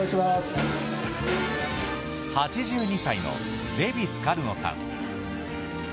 ８２歳のデヴィ・スカルノさん。